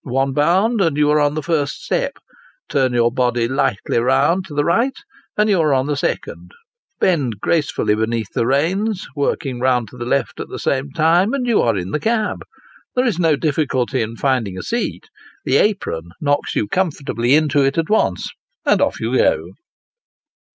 One bound, and you are on the first step ; turn your body lightly round to the right, and you are on the second ; bend gracefully beneath the reins, working round to the left at the same time, and you are in the cab. There is no difficulty in finding a seat: the apron knocks you comfortably into it at once, and oft' you go.